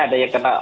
ada yang kena